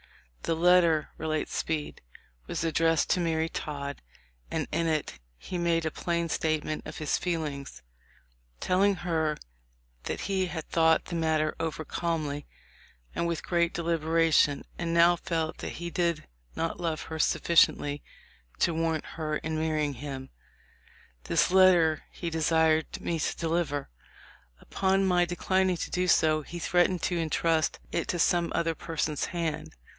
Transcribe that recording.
"The letter," relates Speed, "was addressed to Mary Todd, and in it he made a plain statement of his feelings, telling her that he had thought the matter over calmly and with great deliberation, and now felt that he did not love her sufficiently to warrant her in marrying him. This letter he de sired me to deliver. Upon my declining to do so he threatened to intrust it to some other person's hand.